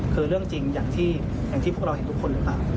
คือเรื่องจริงอย่างที่พวกเราเห็นทุกคนหรือเปล่า